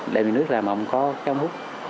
đêm đi nước là mà không có cái ống hút